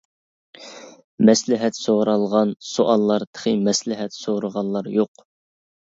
مەسلىھەت سورالغان سوئاللار تېخى مەسلىھەت سورىغانلار يوق!